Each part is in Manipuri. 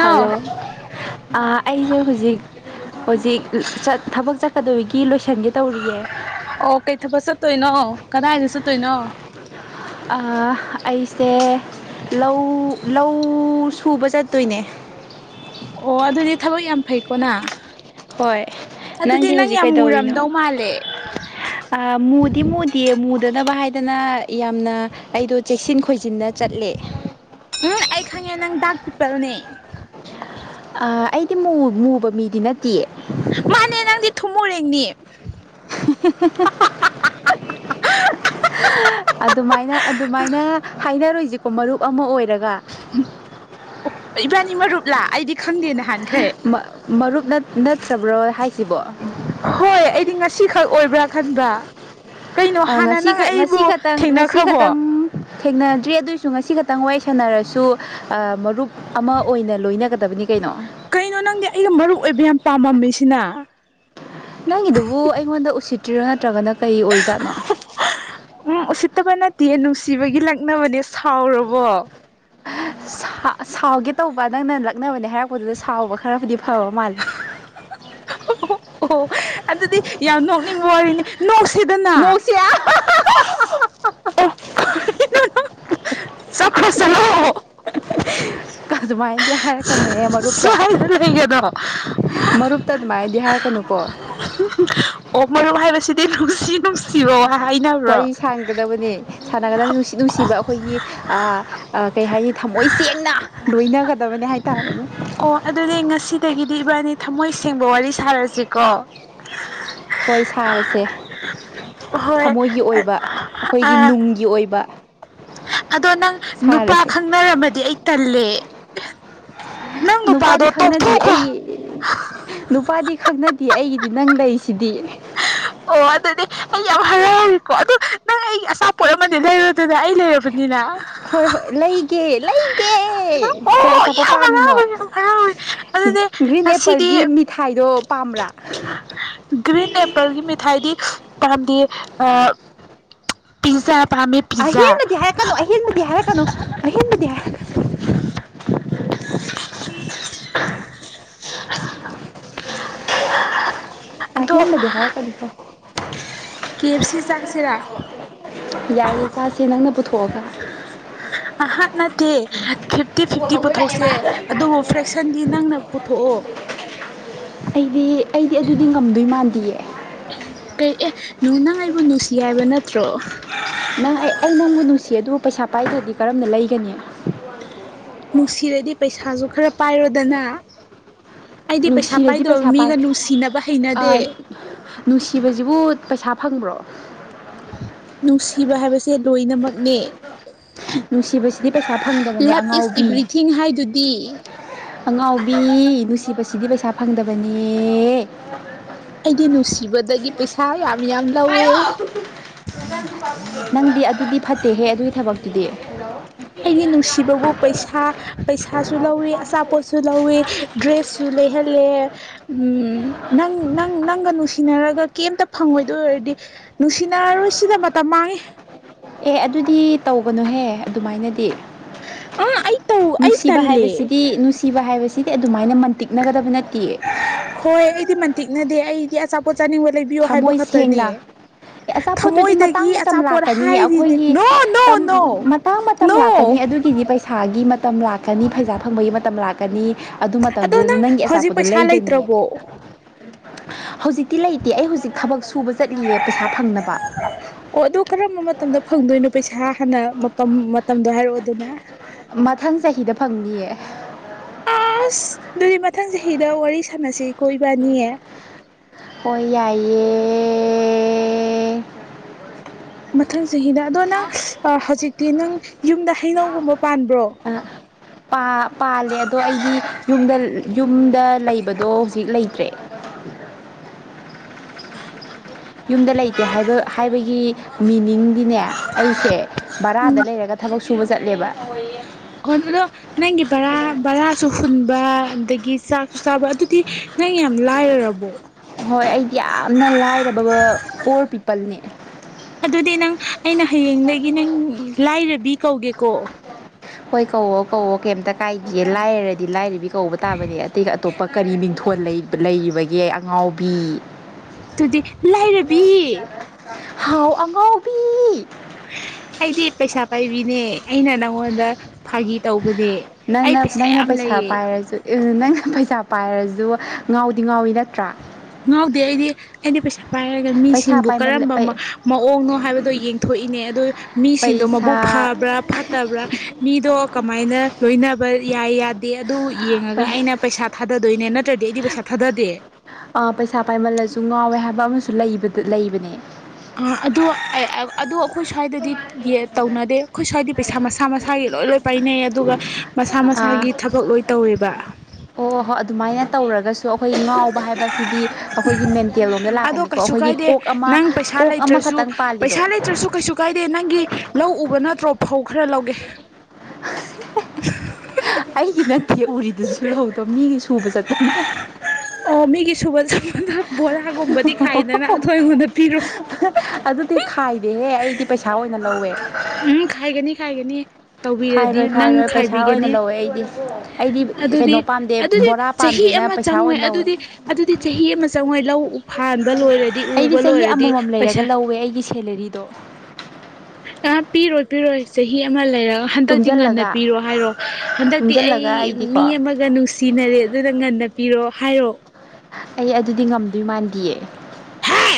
ꯍꯜꯂꯣ ꯑꯥ ꯑꯩꯁꯦ ꯍꯧꯖꯤꯛ ꯍꯧꯖꯤꯛ ꯊꯕꯛ ꯆꯠꯀꯗꯧꯏꯒꯤ ꯂꯣꯏꯁꯤꯟꯒꯦ ꯇꯧꯔꯤꯌꯦ ꯑꯣ ꯀꯩ ꯊꯕꯛ ꯆꯠꯇꯣꯏꯅꯣ ꯀꯗꯥꯏꯗ ꯆꯠꯇꯣꯏꯅꯣ꯫ ꯑꯥ ꯑꯩꯁꯦ ꯂꯧ ꯂꯧ ꯁꯨꯕꯥ ꯆꯠꯇꯣꯏꯅꯦ꯫ ꯑꯣꯑꫭ ꯑꯗꯨꯗꯤ ꯊꯕꯛ ꯌꯥꯝ ꯐꯩꯀꯣ ꯅꯪ ꯍꯣꯏ ꯑꯗꯨꯗꯤ ꯅꯪ ꯌꯥꯝ ꯃꯨꯔꯝꯗꯧ ꯃꯥꯜꯂꯦ꯫ ꯑꯥ ꯃꯨꯗꯤ ꯃꯣꯗꯤ ꯃꯗꯤ ꯃꯨ ꯗꯅꯕ ꯍꯥꯏꯗꯅ ꯌꯥꯝꯅ ꯑꯩꯗꯣ ꯆꯦꯛꯁꯤꯟ ꯈꯣꯏꯖꯤꯟꯅ ꯆꯠꯂꯦ꯫ ꯎꯝ ꯑꯩ ꯈꯪꯉꯦ ꯅꯪ ꯗꯥꯛ ꯄꯤꯄꯜꯅꯦ꯫ ꯑꯥ ꯑꯩꯗꯤ ꯃꯨꯕ ꯃꯤꯗꯤ ꯅꯠꯇꯦꯌꯦ꯫ ꯃꯥꯅꯦ ꯅꯪꯗꯤ ꯊꯨꯝꯃꯣꯔꯦꯡꯅꯤ꯫ ꯍꯥ ꯍꯥ ꯑꯗꯨꯃꯥꯏꯅ ꯑꯗꯨꯃꯥꯏꯅ ꯍꯥꯏꯅꯔꯣꯏꯁꯤꯀꯣ ꯃꯔꯨꯞ ꯑꯃ ꯑꯣꯏꯔꯒꯀꫭ꯫ ꯏꯕꯥꯅꯤ ꯃꯔꯨꯞ ꯂꯥ ꯑꯩꯗꯤ꯫ ꯈꯪꯗꯦ ꯅꯍꯥꯟꯈꯩ ꯃꯔꯨꯞ ꯅꯠꯇ꯭ꯔꯕ꯭ꯔꯣ ꯍꯥꯏꯁꯤꯕꯣ ꯑꯩꯈꫭꯏꯅꯤ ꯍꯣꯏ ꯑꯩꯗꯤ ꯉꯁꯤꯈꯛ ꯑꯣꯏꯕ꯭ꯔꯥ ꯈꯟꯕ꯭ꯔ ꯫ ꯉꯁꯤ ꯉꯁꯤ ꯈꯛꯇꯪ ꯉꯁꯤ ꯊꯦꯡꯅꯈ꯭ꯔꯕꯣ ꯈꯛꯇꯪ ꯊꯦꯡꯅꯗ꯭ꯔꯤ ꯑꯗꯨꯑꯣꯔꯁꯨ ꯉꯁꯤ ꯈꯪꯇꯡ ꯋꯥꯔꯤ ꯁꯥꯟꯅꯔꯁꯨ ꯃꯔꯨꯞ ꯑꯃ ꯑꯣꯏꯅ ꯂꯣꯏꯅꯒꯗꯕꯅꯤ ꯀꯩꯅꯣ꯫ ꯀꯩꯅꯣ ꯅꯪꯗꯤ ꯑꯩꯒ ꯃꯔꯨ ꯑꯣꯏꯕ ꯌꯥꯝ ꯄꯥꯝꯃꯝꯃꯤꯁꯤꯅ꯫ ꯅꯪꯒꯤꯗꯨꯕꯨ ꯑꯩꯉꯣꯟꯗ ꯎꯁꯤꯠꯇ꯭ꯔꯣ ꯅꯠꯇ꯭ꯔꯒꯅ ꯀꯔꯤ ꯑꯣꯏꯔꯤꯖꯥꯠꯅꯣ ꯐꯠꯇꯕ ꯅꯠꯇꯌ ꯅꯨꯡꯁꯤꯕꯒꯤ ꯂꯛꯅꯕꯅꯦ ꯁꯥꯎꯔꯕꯣ꯫ ꯁꯥꯎꯒꯦ ꯇꯧꯕ ꯅꯪꯅ ꯂꯛꯅꯕꯅꯦ ꯍꯥꯏꯔꯛꯄꯗꯨꯗ ꯁꯥꯎꯕ ꯈꯔꯕꯨꯗꯤ ꯐꯔꯦ ꯐꯕꯥ ꯃꯥꯅꯤ ꯑꯣ ꯑꯣ ꯑꯗꯨꯗꯤ ꯌꯥꯝ ꯅꯣꯛꯅꯤꯡꯕ ꯋꯥꯔꯤ ꯅꫭꯛꯁꯤ ꯁꯤꯗꯅ꯫ ꯅꯣꯛꯁꯦ ꯍꯤ ꯆꯠꯈꯔꫭ ꯆꯠꯔꫭ ꯑꯗꯨꯃꯥꯏꯅꯗꯤ ꯍꯥꯏꯔꯛꯀꯅꯨ ꯍꯦ ꯃꯔꯨꯞꯇ꯫ ꯁ꯭ꯋꯥꯏꯗ ꯂꯩꯒꯗꯣ ꯃꯔꯨꯞꯇꯥ ꯑꯗꯨꯃꯥꯏꯅꯗꯤ ꯍꯥꯏꯀꯅꯨꯀꯣ꯫ ꯑꯣ ꯃꯥꯔꯨꯞ ꯍꯥꯏꯕꯁꯤꯗꯤ ꯅꯨꯡꯁꯤ ꯅꯨꯡꯁꯥ ꯋꯥꯍꯩ ꯋꯥꯔꯤ ꯁꯥꯟꯒꯗꯕꯅꯤ ꯁꯥꯟꯅꯒꯗꯕꯅꯤ ꯅꯨꯡꯁꯤ ꯅꯨꯡꯁꯤꯕ ꯑꯩꯈꯣꯏꯒꯤ ꯑꯥ꯫ ꯀꯩ ꯍꯥꯏꯅꯤ ꯊꯃꯣꯏ ꯁꯦꯡꯅ ꯂꯣꯏꯅꯒꯗꯕꯅꯦ ꯍꯥꯏꯕꯇꯥꯔꯦ꯫ ꯑꯣ ꯑꯗꯨꯗꯤ ꯉꯁꯤꯗꯒꯤꯗꯤ ꯏꯕꯥꯅꯤ ꯊꯝꯃꯣꯏ ꯁꯦꯡꯕ ꯋꯥꯔꯤ ꯁꯥꯔꯁꯤꯀꯣ꯫ ꯍꯣꯏ ꯁꯥꯔꯁꯦ ꯍꯣꯏ ꯊꯃꯣꯏꯒꯤ ꯑꯣꯏꯕ ꯑꯩꯈꯣꯏꯒꯤ ꯑꯥ ꯅꯨꯡꯒꯤ ꯑꫭꯏꯕ ꯕꯥ꯫ ꯑꯗꯣ ꯅꯪ ꯅꯨꯄꯥ ꯈꯪꯅꯔꯝꯃꯗꯤ ꯑꯩꯗꯤ ꯇꯜꯂꯦ꯫ ꯅꯪ ꯅꯨꯄꯥꯗꯤ ꯅꯨꯄꯥꯗꯣ ꯈꯪꯅꯗꯦ ꯇꯣꯛꯊꯣꯛꯈꯣ ꯑꯩꯗꯤ ꯅꯨꯄꯥꯗꯤ ꯈꯪꯅꯗꯤꯌ ꯑꯩꯒꯤꯗꯤ ꯅꯪ ꯂꯩꯁꯤꯗꯤ꯫ ꯑꯣ ꯑꯗꯨꯗꯤ ꯑꯩ ꯌꯥꯝ ꯍꯔꯥꯎꯔꯦꯀꯣ ꯑꯗꯨꯗꯣ ꯅꯪ ꯑꯩꯒꯤ ꯑꯆꯥꯄꯣꯠ ꯑꯃꯗꯤ ꯂꯩꯔꯣꯗꯅ ꯑꯩ ꯂꯩꯔꯕꯅꯤꯅ ꯀꫭ꯫ ꯍꯣꯏ ꯍꯣꯏ ꯂꯩꯒꯦ ꯂꯩꯒꯦ ꯀꯔꯤ ꯑꯣ ꯑꯆꯥꯄꫭꯠ ꯌꯥꯝ ꯄꯥꯝꯃꯤꯅꯣ ꯍꯔꯥꯎꯋꯦ ꯌꯥꯝ ꯍꯔꯥꯎꯋꯦ ꯑꯗꯨꯗꯤ ꯒ꯭ꯔꯤꯟ ꯉꯁꯤꯗꯤ ꯑꯦꯄꯜꯒꯤ ꯃꯤꯊꯥꯏꯗꯣ ꯄꯥꯝꯕ꯭ꯔꯥ ꯅꯪ꯫ ꯒ꯭ꯔꯤꯟ ꯑꯦꯄꯜꯒꯤ ꯃꯤꯊꯥꯏꯗꯤ ꯄꯥꯝꯗꯦ ꯑꯥ ꯄꯤꯖꯥ ꯄꯝꯃꯤ ꯄꯤꯖꯥ ꯗꫭ ꯫ ꯑꯍꯦꯟꯕꯗꯤ ꯍꯥꯏꯔꯛꯀꯅꯨ ꯑꯍꯦꯟꯕꯗꯤ ꯍꯥꯏꯔꯛꯀꯅꯨ ꯑꯍꯦꯟꯕꯗꯤ ꯍꯥꯏꯔꯛꯀꯅꯨ [unintelligible] ꯍꯥꯏꯝ ꯅꯗꯤ ꯍꯔ ꯀꯁꯣ ꯀꯤ ꯑꯦꯐ ꯁꯤ ꯆꯪꯁꯤꯦꯔꯥ ꯌꯥꯏꯌꯦ ꯆꯥꯁꯦ ꯅꯪꯅ ꯄꯨꯊꯣꯛꯑꯒ ꯑꯩꯍꯥꯛꯅꯠꯇꯦ ꯐꯤꯐꯇꯤ ꯐꯤꯐꯇꯤ ꯄꯨꯊꯣꯛꯁꯦ ꯑꯗꯨꯕꯨ ꯐ꯭ꯔꯦꯛꯁ ꯁꯟꯗꯤ ꯅꯪꯅ ꯄꯨꯊꯣꯛꯑꯣ ꯑꯩꯗꯤ ꯑꯩꯗꯤ ꯑꯗꯨꯗꯤ ꯉꯝꯗꯣꯏ ꯃꯥꯟꯗꯌꯦ ꯀꯩ ꯑꯦ ꯅꯪ ꯑꯩꯕꯨ ꯅꯨꯡꯁꯤ ꯍꯥꯏꯕ ꯅꯠꯇ꯭ꯔꯣ ꯅꯪ ꯑꯩ ꯑꯩ ꯅꯪꯕꯨ ꯅꯨꯡꯁꯤ ꯑꯗꯨꯕꯨ ꯄꯩꯁꯥ ꯄꯥꯏꯗ꯭ꯔꯗꯤ ꯀꯔꯝꯅ ꯂꯩꯒꯅꯤ ꯅꯨꯡꯁꯤꯔꯗꯤ ꯄꯩꯁꯥꯁꯨ ꯈꯔ ꯄꯥꯏꯔꯣꯗꯅ ꯑꯩꯗꯤ ꯄꯩꯁꯥ ꯅꯨꯡꯁꯤꯔꯗꯤ ꯄꯥꯏꯗꯕ ꯄꯩꯁꯥ ꯄꯥꯏ ꯃꯤꯒ ꯅꯨꯡꯁꯤꯅꯕ ꯍꯩꯅꯗꯦ ꯅꯨꯡꯁꯤꯕꯁꯤꯕꯨ ꯄꯩꯁꯥ ꯐꯪꯕ꯭ꯔꯣ ꯅꯨꯡꯁꯤꯕ ꯍꯥꯏꯕꯁꯦ ꯂꯣꯏꯅꯃꯛꯅꯦ ꯅꯨꯡꯁꯤꯕꯁꯤꯗꯤ ꯄꯩꯁꯥ ꯐꯪꯗꯕꯅꯦ ꯂꯞ ꯏꯁ ꯑꯉꯥꯎꯕꯤ ꯏꯕ꯭ꯔꯤꯊꯤꯡ ꯍꯥꯏꯗꯨꯗꯤ ꯑꯉꯥꯎꯕꯤ ꯅꯨꯡꯁꯤꯕꯁꯤꯗꯤ ꯄꯩꯁꯥ ꯐꯪꯗꯕꯅꯦ ꯑꯩꯗꯤ ꯅꯨꯡꯁꯤꯕꯗꯒꯤ ꯄꯩꯁꯥ ꯌꯥꯝ ꯌꯥꯝ ꯂꯧꯋꯦ ꯅꯪꯗꯤ ꯑꯗꯨꯗꯤ ꯐꯠꯇꯦꯍꯦ ꯑꯗꯨꯒꯤ ꯊꯕꯛꯇꯨꯗꯤ ꯑꯩꯒꯤ ꯅꯨꯡꯁꯤꯕꯕꯨ ꯄꯩꯁꯥ ꯄꯩꯁꯥ ꯁꯨ ꯂꯧꯋꯤ ꯑꯆꯥꯄꯣꯠꯁꯨ ꯂꯧꯋꯤ ꯗ꯭ꯔꯦꯁꯁꯨ ꯂꯩꯍꯜꯂꯦ ꯎꯝ ꯅ ꯅꯪꯥꯟ ꯅꯨꯡꯁꯤ ꯅꯨꯡꯁꯤꯅꯔꯒ ꯀꯩꯝꯇ ꯐꯪꯉꯣꯏꯗꯣꯏ ꯑꯣꯏꯔꯗꯤ ꯅꯨꯡꯁꯤꯅꯔꯔꯣꯏ ꯁꯤꯗ ꯃꯇꯝ ꯃꯥꯡꯉꯦ ꯑꯦ ꯑꯗꯨꯗꯤ ꯇꯒꯅꯨꯍꯦ ꯑꯗꯨꯃꯥꯏꯅꯗꯤ ꯑꯥ ꯑꯩ ꯇꯧ ꯑꯩ ꯅꯨꯡꯁꯤꯕ ꯇꯜꯂꯦ ꯍꯥꯏꯕꯁꯤꯗꯤ ꯅꯨꯡꯁꯤꯕ ꯍꯥꯏꯕꯁꯤꯗꯤ ꯑꯗꯨꯃꯥꯏꯅ ꯇꯤꯛꯒꯗ ꯍꯣꯏ ꯑꯩꯗꯤ ꯃꯟꯇꯤꯛꯅꯗꯦ ꯑꯩꯗꯤ ꯑꯆꯥꯄꯣꯠ ꯆꯥꯅꯤꯡꯕ ꯂꯩꯕꯤꯌꯣ ꯍꯥꯏꯕ ꯁꯦꯡꯅ ꯈꯛꯇꯅꯦ ꯑꯦ ꯑꯆꯥꯄꯣꯠꯇꯨꯗꯤ ꯃꯇꯥꯡ ꯊꯃꯣꯏꯗꯒꯤ ꯃꯇꯝ ꯑꯆꯥꯄꯣꯠ ꯂꯥꯛꯀꯅꯤ ꯍꯥꯏꯔꯤꯅꯤ ꯑꯩꯈꯣꯏꯒꯤ ꯅꯣ ꯅꯣ ꯅꯣ ꯃꯇꯥꯡ ꯃꯇꯝ ꯅꯣ ꯂꯥꯛꯀꯅꯤ ꯑꯗꯨꯒꯤꯗꯤ ꯄꯩꯁꯥꯒꯤ ꯃꯇꯝ ꯂꯥꯛꯀꯅꯤ ꯄꯩꯁꯥ ꯐꯪꯕꯒꯤ ꯃꯇꯝ ꯂꯥꯛ ꯑꯗꯨ ꯑꯗꯣ ꯃꯇꯝꯗꯨꯗ ꯅꯪ ꯅꯪꯒꯤ ꯍꯧꯖꯤꯛ ꯑꯆꯥꯄꯣꯗꯣ ꯄꯩꯁꯥ ꯂꯩꯒꯅꯤꯌꯦ ꯂꯩꯇ꯭ꯔꯕꯣ ꯍꯧꯖꯤꯛꯇꯤ ꯂꯩꯇꯦ ꯑꯩ ꯍꯧꯖꯤꯛ ꯊꯕꯛꯁꯨ ꯑꯣ ꯑꯗꯨ ꯀꯔꯝꯕ ꯃꯇꯝꯗ ꯐꯪꯗꯣꯏꯅꯣ ꯄꯩꯁꯥ ꯍꯥꯟꯅ ꯃꯇꯝꯗꯣ ꯍꯥꯏꯔꯛꯑꯣ ꯑꯗꯨꯅꯦ ꯃꯊꯪ ꯆꯍꯤꯗ ꯐꯪꯅꯤꯌꯦ ꯑꯁ ꯑꯗꯨꯗꯤ ꯃꯊꯪ ꯆꯍꯤꯗ ꯋꯥꯔꯤ ꯁꯥꯟꯅꯁꯤ ꯀꯣꯏ ꯏꯕꯥꯅꯤꯌꯦ ꯑꯣꯏꯏꯌꯦ ꯃꯊꯪ ꯆꯍꯤꯗ ꯑꯗꯣ ꯅꯪ ꯍꯧꯖꯤꯛꯇꯤ ꯅꯪ ꯌꯨꯝꯗ ꯍꯩꯅꯧꯒꯨꯝꯕ ꯇꯣ ꯄꯥꯜꯂꯦ ꯑꯗꯣ ꯑꯩꯗꯤ ꯌꯨꯝꯗ ꯌꯨꯝꯗ ꯂꯩꯕꯗꯣ ꯍꯧꯖꯤꯛ ꯂꯩꯇ꯭ꯔꯦ [unintelligible] ꯦ [inaudible] ꯌꯨꯝꯗ ꯂꯩꯇꯦ ꯍꯥꯏꯕ ꯍꯥꯏꯕꯒꯤ ꯃꯤꯅꯤꯡꯗꯤꯅꯦ ꯑꯩꯁꯦ ꯕꯔꯥꯗ ꯂꯩꯔꯒ ꯊꯕꯛ ꯁꯨꯕ ꯆꯠꯂꯦꯕ ꯑꯣ ꯑꯗꯣ ꯅꯪꯒꯤ ꯕꯔꯥ ꯕꯔꯥꯁꯨ ꯍꯨꯟꯕ ꯑꯗꯒꯤ ꯆꯥꯛꯁꯨ ꯆꯥꯕ ꯑꯗꯨꯗꯤ ꯅꯪ ꯌꯥꯝ ꯂꯥꯏꯔꯔꯕꯣ ꯍꯣꯏ ꯑꯩꯗꯤ ꯌꯥꯝꯅ ꯂꯥꯏꯔꯕ ꯄꯣꯔ ꯄꯤꯄꯜꯅꯦ ꯑꯗꯨꯗꯤ ꯅꯪ ꯑꯩꯅ ꯍꯌꯦꯡꯗꯒꯤ ꯅꯪ ꯂꯥꯏꯔꯕꯤ ꯀꯧꯒꯦꯀꯣ ꯍꯣꯏ ꯀꯧꯣ ꯀꯧꯣ ꯀꯩꯝꯇ ꯀꯥꯏꯗꯌꯦ ꯂꯥꯏꯔꯗꯤ ꯂꯥꯏꯔꯤꯕ ꯀꯧꯕ ꯇꯥꯕꯅꯦ ꯑꯇꯩ ꯑꯇꯣꯞꯄ ꯀꯔꯤ ꯃꯤꯡꯊꯣꯜ ꯂꯩꯔꯤꯕꯒꯦ ꯑꯉꯥꯎꯕꯤ ꯗꯨꯗꯤ ꯂꯩꯥꯏꯔ ꯍꯥꯎ ꯑꯃꯉꯧ ꯄꯩꯁꯥ ꯄꯥꯏꯕꯤꯅꯦ ꯑꯩꯅ ꯅꯪꯉꯣꯟꯗ ꯐꯥꯒꯤ ꯇꯧ ꯅꯪꯅ ꯅꯪꯅ ꯄꯩꯁꯥ ꯄꯥꯏꯔꯁꯨ ꯅꯪꯅ ꯄꯩꯁꯥ ꯄꯥꯏꯔꯁꯨ ꯉꯥꯎꯗꯤ ꯉꯥꯎꯋꯤ ꯅꯠꯇ꯭ꯔꯥ ꯉꯥꯎꯗ ꯑꯩꯗꯤ ꯑꯦꯗꯤ ꯄꯩꯁꯥ ꯄꯥꯏꯔꯒ ꯄꯩꯁꯥ ꯃꯤꯁꯤꯡꯕꯨ ꯄꯥꯏꯃꯜ ꯀꯔꯝꯕ ꯃꯑꯣꯡꯅꯣ ꯍꯥꯏꯕꯗꯣ ꯌꯦꯡꯊꯣꯛꯏꯅꯦ ꯑꯗꯨ ꯃꯤꯁꯤꯡꯗꯣ ꯄꯩꯁꯥ ꯃꯕꯨꯛ ꯐꯠ ꯐꯕ꯭ꯔꯥ ꯐꯠꯇꯕ꯭ꯔꯥ ꯃꯤꯗꯣ ꯀꯃꯥꯏꯅ ꯂꯣꯏꯅꯕ ꯌꯥꯏ ꯌꯥꯗꯦ ꯑꯗꯨ ꯌꯦꯡꯉꯒ ꯑꯩꯅ ꯄꯩꯁꯥ ꯊꯥꯗꯗꯣꯏꯅꯦ ꯅꯠꯇ꯭ꯔꯗꯤ ꯑꯩꯗꯤ ꯄꯩꯁꯥ ꯊꯥꯗꯗꯦ ꯏꯁꯩꯥ ꯄꯥꯏꯃꯜꯂꯁꯨ ꯉꯥꯎꯋꯦ ꯍꯥꯏꯕ ꯑꯃꯁꯨ ꯂꯩꯕꯗ ꯂꯩꯕꯅꯦ ꯑ ꯑꯗꯣ ꯑꯗꯣ ꯑꯩꯈꯣꯏ ꯁ꯭ꯋꯥꯏꯗꯗꯤ ꯇꯧꯅꯗꯦ ꯑꯩꯈꯣꯏ ꯁ꯭ꯋꯥꯏꯗꯤ ꯄꯩꯁꯥ ꯃꯁꯥ ꯃꯁꯥꯒꯤ ꯂꯣꯏ ꯂꯣꯏ ꯄꯥꯏꯅꯩ ꯑꯗꯨꯒ ꯃꯁꯥ ꯃꯁꯥꯒꯤ ꯊꯕꯛ ꯂꯣꯏ ꯇꯧꯋꯦꯕ ꯑꯣ ꯍꯣꯏ ꯑꯗꯨꯃꯥꯏꯅ ꯇꯧꯔꯒꯁꯨ ꯑꯩꯈꯣꯏꯒꯤ ꯉꯥꯎꯕ ꯍꯥꯏꯕꯁꯤꯗꯤ ꯑꯩꯈꯣꯏꯒꯤ ꯃꯦꯟꯇꯦꯜ ꯂꯣꯝꯗ ꯑꯗꯣ ꯂꯥꯛꯀꯅꯤꯀꯣ ꯀꯩꯁꯨ ꯑꯩꯈꯣꯏꯒꯤ ꯀꯥꯏꯗꯦ ꯀꯣꯛ ꯑꯃ ꯅꯪ ꯄꯩꯁꯥ ꯀꯣꯛ ꯂꯩꯇ꯭ꯔꯁꯨ ꯑꯃꯈꯛꯇꯪ ꯄꯩꯁꯥ ꯄꯥꯜꯂꯤꯗꯣ ꯂꯩꯇ꯭ꯔꯁꯨ ꯀꯩꯁꯨ ꯀꯥꯏꯗꯦ ꯅꯪꯒꯤ ꯂꯧ ꯎꯕ ꯅꯠꯇ꯭ꯔꯣ ꯐꯧ ꯈꯔ ꯂꯧꯒꯦ [inaudible] ꯑꯩꯒꯤ ꯅꯠꯇꯦ ꯎꯔꯤꯗꯨꯁꯨ ꯂꯧꯍꯧꯗꯕ ꯃꯤꯗꯤ ꯁꯨꯕ ꯆꯠꯄꯅꯦ ꯑꯣ ꯃꯤꯒꯤ ꯁꯨꯕ ꯁꯄꯗ ꯕꯣꯔꯥꯒꯨꯝꯕꯗꯤ ꯈꯥꯏꯗꯅ ꯑꯗꯨꯗꯣ ꯑꯩꯉꯣꯟꯗ ꯄꯤꯔꯣ ꯑꯗꯨꯗꯤ ꯈꯥꯏꯗꯦꯍꯦ ꯑꯩꯗꯤ ꯄꯩꯁꯥ ꯑꯣꯏꯅ ꯂꯧꯋꯦ ꯍꯥꯏꯒꯅꯤ ꯈꯥꯏꯔꯣꯏ ꯈꯥꯏꯔꯣꯏ ꯄꯩꯁꯥ ꯑꯣꯏꯅ ꯂꯧꯋꯦ ꯑꯩꯗꯤ ꯑꯩꯗꯤ ꯑꯗꯨꯗꯤ ꯀꯩꯅꯣ ꯄꯥꯝꯗꯦ ꯑꯗꯨꯗꯤ ꯕꯣꯔꯥ ꯆꯍꯤ ꯄꯥꯝꯗꯦꯅ ꯑꯃ ꯄꯩꯁꯥ ꯆꯪꯉꯣꯏ ꯑꯣꯏꯅ ꯂꯧꯋꯦ ꯑꯗꯨꯗꯤ ꯑꯗꯨꯗꯤ ꯆꯍꯤ ꯑꯃ ꯆꯪꯉꯣꯏ ꯂꯧ ꯎ ꯐꯥꯟꯕ ꯂꯣꯏꯔꯦ ꯑꯩꯗꯤ ꯆꯍꯤ ꯑꯃꯃꯝ ꯂꯩꯔꯒ ꯂꯧꯋꯦ ꯑꯩꯒꯤ ꯁꯦꯂꯔꯤꯗꯣ ꯑ ꯄꯤꯔꯣꯏ ꯄꯤꯔꯣꯏ ꯆꯍꯤ ꯑꯃ ꯂꯩꯔ ꯍꯟꯗꯛꯇꯤ ꯉꯟꯅ ꯇꯨꯡꯁꯤꯜꯂꯒ ꯄꯤꯔꯣ ꯍꯥꯏꯔꯣ ꯍꯟꯗꯛꯇꯤ ꯑꯩ ꯇꯨꯡꯁꯤꯜꯂꯒ ꯃꯤ ꯑꯩꯗꯤꯀꯣ ꯑꯃꯒ ꯅꯨꯡꯁꯤꯅꯔꯦ ꯑꯗꯨꯗ ꯉꯟꯅ ꯅ ꯄꯤꯔꯣ ꯍꯥꯏꯔꯣ ꯑꯩ ꯑꯗꯨꯗꯤ ꯉꯝꯗꯣꯏ ꯃꯥꯟꯗꯤꯌꯦ ꯍꯥꯏ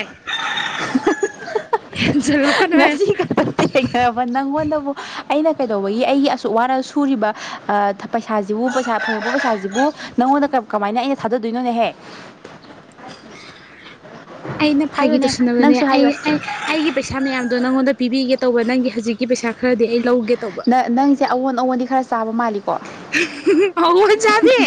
ꯉꯁꯤ ꯈꯛꯇ ꯊꯦꯡꯅꯔꯕ ꯅꯪꯉꯣꯟꯗꯕꯨ ꯑꯩꯅ ꯀꯩꯗꯧꯕꯒꯤ ꯑꯩꯒꯤ ꯑꯁꯨꯛ ꯋꯥꯅ ꯁꯨꯔꯤꯕ ꯑ ꯄꯩꯁꯥꯁꯤꯕꯨ ꯄꯩꯁꯥ ꯐꯪꯉꯛꯄ ꯄꯩꯁꯥꯁꯤꯕꯨ ꯅꯪꯉꯣꯟꯗ ꯀꯃꯥꯏꯅ ꯑꯩꯅ ꯊꯥꯗꯗꯣꯏꯅꯣꯅꯦꯍꯦ ꯑꯩꯅ ꯐꯥꯒꯤ ꯍꯥꯏꯌꯨꯅꯦ ꯇꯧꯁꯤꯟꯅꯕꯅꯦ ꯅꯪꯁꯨ ꯑꯩ ꯍꯥꯏꯌꯣ ꯑꯩꯒꯤ ꯄꯩꯁꯥ ꯃꯌꯥꯝꯗꯣ ꯅꯪꯉꯣꯟꯗ ꯄꯤꯕꯤꯒꯦ ꯇꯧꯕ ꯅꯪ ꯍꯧꯖꯤꯛꯀꯤ ꯄꯩꯁ ꯈꯔꯗꯤ ꯑꯩ ꯂꯧꯒꯦ ꯇꯧꯕ ꯅ ꯅꯪꯁꯦ ꯑꯑꯣꯟ ꯑꯉꯣꯟꯗꯤ ꯈꯔ ꯆꯥꯕ ꯃꯥꯜꯂꯤ ꯍꯥꯎꯑꯣꯟ ꯆꯥꯕꯤ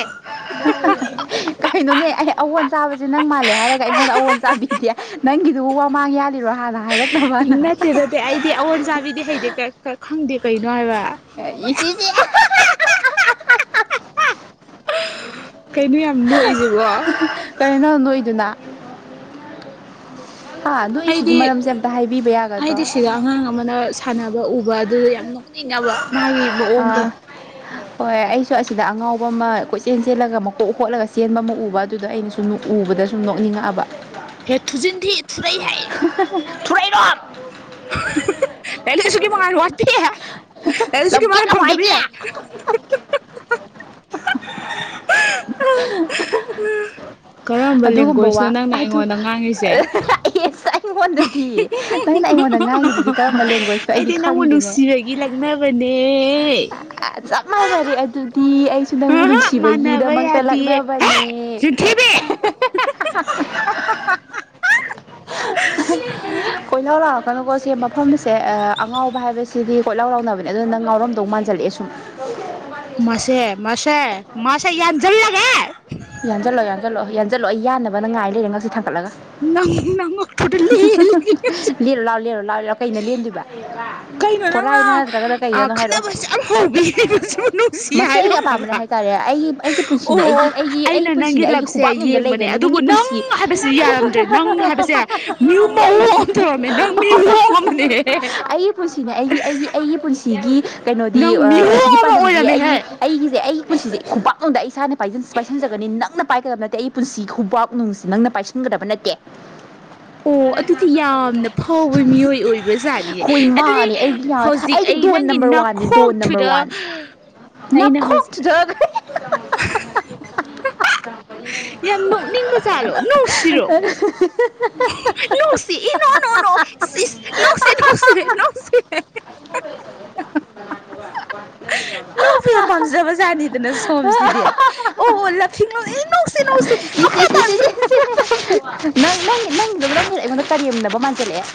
ꯀꯩꯅꯣꯅꯦ ꯑꯩ ꯑꯋꯣꯟ ꯆꯥꯕꯁꯦ ꯅꯪ ꯃꯥꯜꯂꯦ ꯍꯥꯏꯔꯒ ꯑꯩꯉꯣꯟꯗ ꯑꯑꯣꯟ ꯆꯥꯕꯤꯗꯦ ꯅꯪꯒꯤꯗꯨꯕꯨ ꯋꯥꯃꯥꯡ ꯌꯥꯜꯂꯤꯔꯣ ꯍꯥꯟꯅ ꯍꯥꯏꯔꯛꯅꯕꯅ ꯅꯠꯇꯦ ꯅꯠꯇꯦ ꯑꯩꯗꯤ ꯑꯑꯣꯟ ꯆꯥꯕꯤꯗꯤ ꯍꯩꯗꯤ ꯈꯪꯗꯦ ꯀꯩꯅꯣ ꯍꯥꯏꯕ ꯏꯁꯤꯁꯤ ꯀꯩꯅꯣ ꯌꯥꯝ ꯅꯣꯛꯏꯁꯤꯕꯣ ꯀꯔꯤꯅꯣ ꯅ ꯅꯣꯛꯏꯗꯨꯅ ꯍꯥ ꯅꯣꯛꯏꯁꯤꯒꯤ ꯑꯩꯗꯤ ꯃꯔꯝꯁꯦ ꯑꯝꯇ ꯍꯥꯏꯕꯤꯕ ꯌꯥꯒꯗ꯭ꯔꯣ ꯑꯩꯗꯤ ꯁꯤꯗ ꯑꯉꯥꯡ ꯑꯃꯅ ꯁꯥꯟꯅꯕ ꯎꯕ ꯑꯗꯨꯗ ꯌꯥꯝ ꯅꯣꯛꯅꯤꯡꯉꯕ ꯃꯥꯒꯤ ꯃꯑꯣꯡꯗꯣ ꯑ ꯍꯣꯏ ꯑꯩꯁꯨ ꯑꯁꯤꯗ ꯑꯉꯥꯎꯕ ꯑꯃ ꯀꯣꯏꯆꯦꯜ ꯆꯦꯜꯂꯒ ꯃꯀꯣꯛ ꯈꯣꯠꯂꯒ ꯆꯦꯟꯕ ꯑꯃ ꯎꯕ ꯑꯗꯨꯗ ꯑꯩꯅꯁꯨ ꯎꯕꯗ ꯗ ꯁꯨꯝ ꯅꯣꯛꯅꯤꯡꯉꯛꯑꯕ ꯍꯦ ꯊꯨꯖꯤꯟꯊꯤ ꯊꯨꯔꯩꯍꯦ ꯊꯨꯔꯩꯔꯣꯝ ꯂꯥꯏ ꯏ ꯂꯁꯨꯒꯤ ꯃꯥꯉꯟ ꯋꯥꯠꯄꯤ ꯂꯥꯏ ꯂꯥꯏꯁꯨꯒꯤ ꯂꯝꯀꯦꯠ ꯃꯉꯥꯟ ꯐꯪꯗꯕꯤ ꯂꯝꯍꯥꯏꯕꯤ [inaudible] ꯀꯔꯝꯕ ꯑꯗꯨꯒꯨꯝꯕ ꯋꯥ ꯂꯦꯡꯒ꯭ꯋꯦꯖꯅꯣ ꯅꯪꯅ ꯑꯗꯨꯁ ꯑꯩꯉꯣꯟꯗ ꯉꯥꯡꯉꯤꯁꯦ ꯑꯩꯉꯣꯟꯗꯗꯤ ꯅꯪ ꯑꯩꯉꯣꯟꯗ ꯉꯥꯡꯉꯤꯗꯨꯗꯤ ꯀꯔꯝꯕ ꯂꯦꯡꯒ꯭ꯋꯦꯖꯇꯣ ꯑꯩꯗꯤ ꯅꯪꯕꯨ ꯈꯪꯗꯦꯅꯦ ꯅꯨꯡꯁꯤꯕꯒꯤ ꯂꯛꯅꯕꯅꯦ ꯆꯞ ꯃꯥꯟꯅꯔꯦ ꯑꯗꯨꯗꯤ ꯑꯩꯁꯨ ꯅꯪꯕꯨ ꯑꯍꯥ ꯃꯥꯟꯅꯕ ꯅꯨꯡꯁꯤꯕꯒꯤꯗꯃꯛꯇ ꯌꯥꯗꯤꯌꯦ ꯍꯦ ꯂꯛꯅꯕꯅꯦ ꯌꯨꯝꯊꯤꯕꯤ [unintelligible] ꯀꯣꯏ ꯂꯥꯎꯔꯥꯎ ꯀꯅꯨꯀꯣꯁꯦ ꯃꯐꯝꯁꯦ ꯑꯉꯥꯎꯕ ꯍꯥꯏꯕꯁꯤꯗꯤ ꯀꯣꯏꯂꯥꯎꯔꯥꯎꯅꯕꯅꯦ ꯑꯗꯨꯅ ꯅꯪ ꯉꯥꯎꯔꯝꯗꯧ ꯃꯥꯟꯖꯜꯂꯛꯑꯦ ꯁꯨꯝ ꯍ ꯃꯁ ꯃꯁ ꯃꯥꯁꯥ ꯌꯥ ꯆꯜꯂꯒ ꯑꯣ ꯌꯥꯟꯁꯠꯂꯣ ꯑꯩ ꯌꯥꯟꯅꯅꯕꯅ ꯉꯥꯏ ꯂꯩꯔꯦ ꯉꯁꯤ ꯅꯪ ꯅꯉꯛꯇꯨꯗ ꯂꯦꯜꯂꯒꯦ ꯉꯁꯤ ꯂꯔꯣ ꯂꯥꯛꯑꯣ ꯂꯦꯔꯣ ꯂꯥꯛꯑꯣ ꯂꯥꯛꯑꯣ ꯀꯩꯅ ꯂꯦꯝꯗꯣꯏꯕ ꯀꯩꯅꯣ ꯅꯪꯅ ꯍꯣꯔꯥꯏꯅ ꯅꯠꯇ꯭ꯔꯒꯅ ꯑ ꯀꯩꯗꯅꯣ ꯍꯥꯏꯔꯛꯑꯣ ꯈꯠꯅꯕꯁꯦ ꯌꯥꯝ ꯍꯧꯕꯤꯔꯤꯕꯁꯤꯕꯨ ꯅꯨꯡꯁꯤ ꯃꯁꯤ ꯑꯩ ꯑꯄꯥꯝꯕꯅꯦ ꯍꯥꯏꯔꯝꯃꯒ ꯍꯥꯏꯇꯥꯔꯦ ꯑꯩꯒꯤ ꯑꯩꯒꯤ ꯄꯨꯟꯁꯤꯅꯦ ꯑꯩꯒꯤ ꯑꯩꯒꯤ ꯑꯩꯒꯤ ꯄꯨꯟꯁꯤꯅꯦ ꯑꯩꯒꯤ ꯁꯦ ꯈꯨꯕꯥꯛꯅꯨꯡꯗ ꯌꯦꯡꯕꯅꯦ ꯂꯩꯒꯅꯤ ꯑꯗꯨꯕꯨ ꯅꯪꯒꯤ ꯅꯪ ꯄꯨꯟꯁꯤ ꯍꯥꯏꯕꯁꯤ ꯌꯥꯔꯝꯗ꯭ꯔꯦ ꯅꯪ ꯍꯥꯏꯕꯁꯦ ꯃ ꯃꯑꯣꯡ ꯑꯃ ꯇꯧꯔꯝꯃꯦ ꯅꯪ ꯃꯤ ꯃꯑꯣꯡ ꯑꯃꯅꯦꯍꯦ ꯁꯤꯅ ꯑꯩꯒꯤ ꯑꯩꯒꯤ ꯑꯩꯒꯤ ꯄꯨꯟꯁꯤꯒꯤ ꯀꯩꯅꯣꯗꯤ ꯅꯪ ꯃꯤꯑꯣꯡ ꯄꯨꯟꯁꯤꯒꯤ ꯑꯃ ꯄꯥꯟꯗꯝꯗꯤ ꯑꯩꯒꯤ ꯑꯣꯏꯔꯝꯃꯦꯍꯦ ꯑꯩꯒꯤꯁꯦ ꯑꯩꯒꯤ ꯄꯨꯟꯁꯤꯁꯦ ꯈꯣꯡꯄꯥꯛꯂꯣꯝꯗ ꯏꯁꯥꯅ ꯄꯥꯏꯁꯟꯖꯒꯅꯤ ꯅꯪꯅ ꯄꯥꯏꯒꯗꯕ ꯅ ꯑꯇꯩ ꯑꯩ ꯄꯨꯟꯁꯤ ꯈꯨꯕꯥꯛ ꯅꯨꯡꯁꯤ ꯅꯪꯅ ꯄꯥꯏꯁꯤꯟꯒꯗꯕ ꯅꯠꯇꯦ ꯑꯣ ꯑꯗꯨꯗꯤ ꯌꯥꯝꯅ ꯐꯥꯎꯕ ꯃꯤꯑꯣꯏ ꯑꯣꯏꯕꯖꯥꯠꯅꯤꯅꯦ ꯍꯣꯏ ꯑꯗꯨꯗꯤ ꯃꯥꯅꯦ ꯑꯩꯒꯤ ꯍꯧꯖꯤꯛ ꯑꯩꯒꯤ ꯑꯩ ꯗꯣꯟ ꯅꯪꯒꯤ ꯅꯝꯕꯔ ꯋꯥꯟꯅꯦ ꯗꯣꯟ ꯅꯝꯕꯔ ꯅꯈꯣꯛꯇꯨꯗ ꯋꯥꯟ ꯑꯩꯅ ꯍꯧꯖꯤꯛ ꯅꯈꯣꯛꯇꯨꯗ ꯌꯥꯝ ꯅꯣꯛꯅꯤꯡꯕ ꯆꯥꯜꯂꯣ ꯅꯨꯡꯁꯤꯔꯣ ꯅꯅꯨꯡꯁꯤ ꯏ ꯅꯣꯅꯣꯅꯣ ꯁꯤ ꯅꯅꯨꯡꯁꯤ ꯅꯅꯨꯡꯁꯤ ꯅꯅꯨꯡꯁꯤ ꯅꯥ ꯅꯣꯡ ꯐ ꯌꯥꯝ ꯄꯥꯝꯖꯕꯖꯥꯠꯅꯤꯗꯅ ꯁꯣꯝꯁꯤꯗꯤ ꯑꯣ ꯑꯣ ꯂꯐꯤꯡꯡꯂꯣ ꯏꯆꯦ ꯏꯦꯦꯪ ꯅꯪ ꯅꯪꯒꯤꯗꯣ ꯅꯪꯒꯤꯗꯣ ꯑꯩꯉꯣꯟꯗ ꯀꯔꯦꯝꯅꯕ ꯃꯥꯟꯖꯜꯂꯛꯑꯦ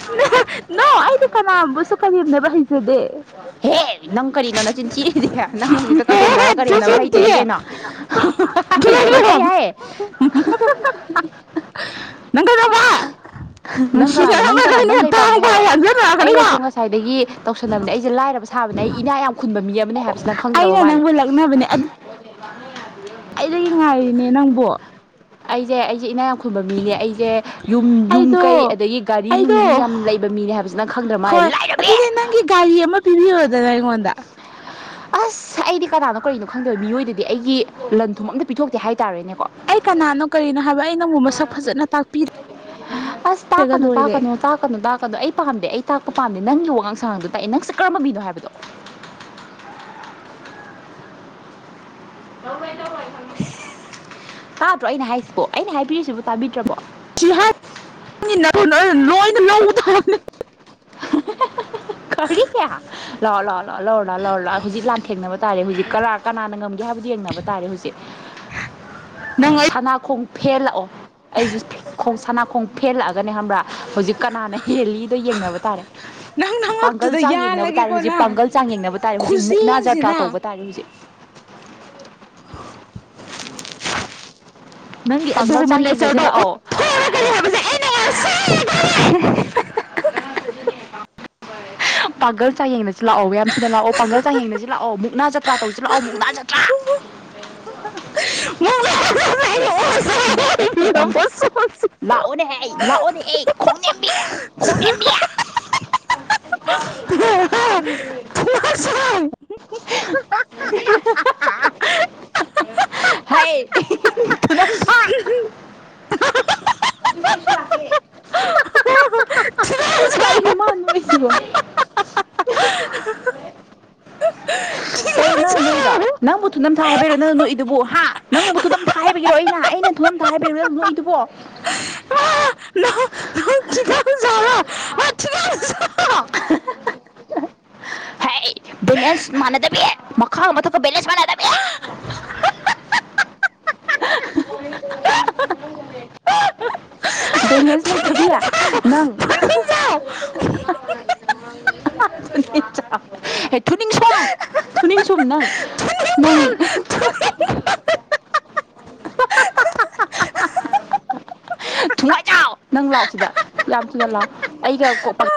ꯅ ꯑꯩꯗꯤ ꯀꯅꯥꯕꯨꯁꯨ ꯀꯔꯤꯅꯦꯕ ꯍꯩꯁꯦꯗꯦ ꯍ ꯍꯦ ꯅꯪ ꯀꯔꯤꯅꯣ ꯅ ꯆꯤꯟꯊꯤꯔꯤꯗꯤꯦ ꯅꯪ ꯍꯧꯖꯤꯛꯇ ꯀꯔꯦꯝꯅꯔ ꯀꯔꯦꯝꯅꯕ ꯍꯩꯇꯦꯗꯤ ꯀꯩꯅꯣ ꯑꯩ ꯊꯣꯂ ꯍꯥꯏ ꯅꯪ ꯀꯅꯥꯅꯣ ꯅꯪ ꯀꯅꯥꯅꯣ ꯅꯨꯡꯁꯤꯅꯔꯝꯃꯔꯣꯏꯅꯦ ꯅꯪ ꯀꯩ ꯄꯥꯝꯒꯦ ꯇꯥꯡꯕ ꯍꯥꯏꯔꯣ ꯌꯥꯟꯖꯟꯅꯔꯛꯀꯅꯤꯀꯣ ꯑꯩꯅꯁꯨ ꯉꯁꯥꯏꯗꯒꯤ ꯇꯧꯁꯟꯅꯕꯅꯦ ꯑꯩꯁꯦ ꯂꯥꯏꯔꯕ ꯁꯥꯕꯅꯦ ꯑꯩ ꯏꯅꯥ ꯌꯥꯝ ꯈꯨꯟꯕ ꯃꯤ ꯑꯃꯅꯤ ꯍꯥꯏꯕꯁꯤꯅ ꯈꯪꯗ꯭ꯔꯕ ꯑꯩꯅ ꯃꯥꯠꯂꯦ ꯅꯪꯕꯨ ꯂꯛꯅꯕꯅꯦ ꯌꯥ ꯅ ꯅꯪꯕꯣ ꯑꯩꯁꯦ ꯑꯩꯁꯦ ꯏꯅꯥ ꯌꯥꯝꯈꯨꯟꯕ ꯃꯤꯅꯦ ꯑꯩꯁꯦ ꯁꯦ ꯌꯨꯝ ꯌꯨꯝ ꯀꯩ ꯑꯩꯗꯣ ꯑꯗꯒꯤ ꯒꯥꯔꯤ ꯅꯨꯡꯗꯤ ꯑꯩꯗꯣ ꯌꯥꯝꯅ ꯂꯩꯕ ꯃꯤꯅꯦ ꯍꯥꯏꯕꯁꯤꯅ ꯈꯪꯗ꯭ꯔ ꯃꯥꯜꯂꯦ ꯍꯣꯏ ꯂꯥꯏꯔꯕ ꯑꯗꯨꯗꯤ ꯅꯪꯒꯤ ꯒꯥꯔꯤ ꯑꯃ ꯄꯤꯕꯤꯌꯣꯗꯅ ꯑꯩꯉꯣꯟꯗ ꯑꯁ ꯑꯩꯗꯤ ꯀꯅꯥꯅꯣ ꯀꯔꯤꯅꯣ ꯈꯪꯗꯕ ꯃꯤꯑꯣꯏꯗꯗꯤ ꯑꯩꯒꯤ ꯂꯟ ꯊꯨꯝ ꯑꯝꯇ ꯄꯤꯊꯣꯛꯇꯦ ꯍꯥꯏꯇꯥꯔꯦꯅꯦꯕ ꯑꯩ ꯀꯅꯥꯅꯣ ꯀꯔꯤꯅꯣ ꯍꯥꯏꯕ ꯑꯩ ꯅꯪꯕꯨ ꯃꯁꯛ ꯐꯖꯅ ꯇꯥꯛꯄꯤꯔ ꯑꯁ ꯇꯥꯀꯥꯅ ꯇꯥꯀꯅꯨ ꯇꯥꯀꯅ ꯑꯗꯣ ꯑꯩ ꯄꯥꯝꯗꯦ ꯑꯩ ꯇꯥꯛꯄ ꯄꯥꯝꯗꯦ ꯅꯪꯒꯤ ꯋꯥꯉꯥꯡ ꯁꯉꯥꯡꯗꯣ ꯇꯥꯛꯑꯦ ꯅꯪꯁꯦ ꯀꯔꯝꯕ ꯃꯤꯅꯣ ꯍꯥꯏꯕꯗꯣ [unintelligible] ꯇꯥꯗ꯭ꯔꯣ ꯑꯩꯅ ꯍꯥꯏꯁꯤꯕꯣ ꯑꯩꯅ ꯍꯥꯏꯕꯤꯔꯤꯁꯤꯕꯨ ꯇꯥꯕꯤꯗ꯭ꯔꯕꯣ ꯁꯤ ꯍꯥꯏꯤ ꯂꯣꯏꯅ ꯂꯧꯗꯕꯅꯤ ꯀꯔꯤ ꯀꯦ ꯂꯥꯛꯑꯣ ꯂꯥꯛꯑꯣ ꯂꯥꯛꯑꯣ ꯂꯔ ꯂꯥꯛ ꯂꯥꯛꯔ ꯂꯥꯛꯑꯣ ꯍꯧꯖꯤꯛ ꯂꯥꯟꯊꯦꯡꯅꯕ ꯇꯥꯔꯦ ꯍꯧꯖꯤꯛ ꯀ ꯀꯅꯥꯅ ꯉꯝꯒꯦ ꯍꯥꯏꯕꯗꯨ ꯌꯦꯡꯅꯕ ꯇꯥꯔꯦ ꯍꯧꯖꯤꯛ ꯅꯪ ꯑꯩ ꯁꯅꯥꯈꯣꯡ ꯐꯦꯜꯂꯛꯑꯣ ꯑꯩꯁꯨꯣꯡ ꯁꯅꯥ ꯈꯣꯡ ꯐꯦꯜꯂꯛꯑꯒꯅꯦ ꯈꯪꯕ꯭ꯔꯥ ꯍꯧꯖꯤꯛ ꯀꯅꯥꯅ ꯍꯦꯜꯂꯤꯗꯣ ꯌꯦꯡꯅꯕ ꯇꯥꯔꯦ [unintelligible] ꯅꯪ ꯄꯥꯡꯒꯜ ꯅꯉꯛꯇꯨꯗ ꯆꯥꯡ ꯌꯦꯡꯅꯕ ꯇꯥꯔꯦ ꯌꯥꯜꯂꯒꯦꯀꯣ ꯍꯧꯖꯤꯛ ꯅꯪ ꯄꯥꯡꯒꯜ ꯆꯥꯡ ꯌꯦꯡꯅꯕ ꯇꯥꯔꯦ ꯍꯧꯖꯤꯛ ꯃꯨꯛꯅꯥ ꯖꯇ꯭ꯔꯥ ꯈꯨꯖꯦꯡꯁꯤꯅ ꯇꯧꯕ ꯇꯥꯔꯦ ꯍꯧꯖꯤꯛ [unintelligible] ꯅꯪꯒꯤ ꯄꯥꯡꯒꯜ ꯑꯗꯨꯒꯨꯝꯕ ꯆꯥꯡ ꯌꯦꯡꯅꯁꯤ ꯅꯦꯆꯔꯗꯣ ꯂꯥꯛꯑꯣ ꯎꯠꯊꯣꯔꯛꯀꯅꯤ ꯍꯥꯏꯕꯁꯦ ꯑꯩꯅ ꯉꯁꯥꯏ [unintelligible] ꯄꯥꯡꯒꯜ ꯆꯥꯌꯦꯡꯗꯁꯨ ꯂꯥꯛꯑꯣ ꯃꯌꯥꯝ ꯊꯨꯅ ꯂꯥꯛꯑꯣ ꯄꯥꯡꯒꯜ ꯆꯥꯡꯌꯦꯡꯗꯁꯨ ꯂꯥꯛꯑꯣ ꯃꯨꯛꯅꯥ ꯖꯇ꯭ꯔꯥ ꯇꯧꯁꯤ ꯂꯥꯛꯑꯣ ꯃꯨꯛꯅꯥ ꯖꯇ꯭ꯔꯥ ꯍ [unintelligible] ꯌꯥꯝꯝ ꯂꯥꯛꯑꯣꯅꯦꯍ‌ꯦ ꯂꯥꯛꯑꯣꯅꯦꯍ‌ꯦ ꯈꯣꯡ ꯅꯦꯝꯕꯤ ꯈꯣꯡ ꯅꯦꯝꯕꯤ ꯆ ꯂꯩꯠ [unintelligible] [unintelligible] ꯊꯤꯒꯥꯡꯖꯥꯎ ꯍꯥꯏꯌ ꯊꯨꯅꯞ ꯊꯛ ꯗꯦꯁ ꯂꯥꯛꯀꯦ ꯊꯤꯒꯥꯡꯖꯥꯎ [unintelligible] ꯀꯔꯤꯅꫭ ꯊꯤꯒꯥꯡꯖꯥꯎ ꯃꯥ ꯅꫭꯛꯏꯁꯤꯕꯣ [unintelligible] ꯀꯔꯤꯅꫭ ꯅꯪ ꯅꯣꯛꯏꯗꫭ ꯅꯪꯕꯨ ꯊꯨꯅꯝꯊꯥ ꯍꯥꯏꯕꯩꯔꯥ ꯅꯪ ꯅꯣꯏꯏꯗꯨꯕꯨ ꯍꯥ ꯅꯪꯕꯨ ꯊꯨꯅꯝꯊꯥ ꯍꯥꯏꯕꯤꯒꯤꯔꯣ ꯑꯩꯅ ꯑꯩꯅ ꯊꯨꯅꯝ ꯊ ꯍꯥꯏꯕꯩꯔꫭ ꯅꯪ ꯅꯣꯛꯏꯗꯨꯕꯣ [unintelligible] ꯑꯒ [unintelligible] ꯕꯂꯦꯟꯁ ꯃꯥꯟꯗꯕꯤ ꯃꯈꯥ ꯃꯊ ꯕꯂꯦꯟꯁ ꯃꯥꯟꯗꯕꯤ [unintelligible] ꯕꯂꯦꯟꯁ ꯂꯩꯊꯥꯕꯤ ꯅꯪ ꯄꯟꯊꯤꯡꯖꯥꯎ ꯍ ꯊꯅꯤ ꯁꯣꯝ [unintelligible] ꯊꯨꯅꯤꯅꯤꯡ ꯁꯨꯝ ꯅꯪ ꯅꯪ ꯑ [unintelligible] [unintelligible] ꯊꯨꯡꯃꯥꯏꯖꯥꯎ ꯅꯪ ꯂꯥꯛꯑꯣ ꯁꯤꯗ ꯌꯥꯝ ꯊꯨꯅ ꯂꯥꯛꯑꯣ ꯑꯩꯒ ꯀꯣꯛ